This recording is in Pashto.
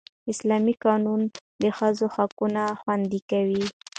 اسلامي قانون د ښځو حقونه خوندي کوي